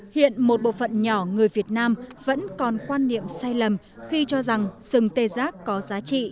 hiện một bộ phận nhỏ người việt nam vẫn còn quan niệm sai lầm khi cho rằng sừng tê giác có giá trị